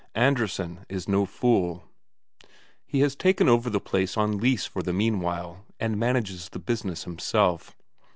Andresen is no fool; he has taken over the place on lease for the meanwhile, and manages the business himself.